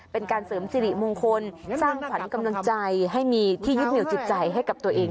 เป็นการเสริมสิริมงคลสร้างขวัญกำลังใจให้มีที่ยึดเหนียวจิตใจให้กับตัวเอง